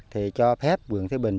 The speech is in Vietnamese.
thì cho phép quận thứ bình